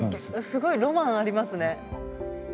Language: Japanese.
すごいロマンありますね。